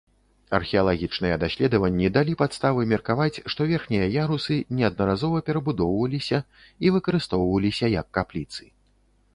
Археалагічныя даследаванні далі падставы меркаваць, што верхнія ярусы неаднаразова перабудоўваліся і выкарыстоўваліся як капліцы.